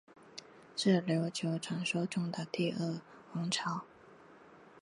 是琉球传说中第二个王朝。